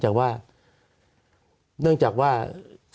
สวัสดีครับทุกคน